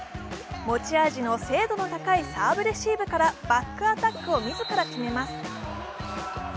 持ち味の精度の高いサーブレシーブからバックアタックを自ら決めます。